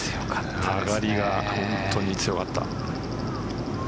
上がりが本当に強かった。